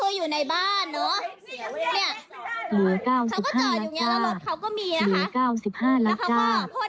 แล้วคุณฮวานใส่บ้านเราเหมือนกัน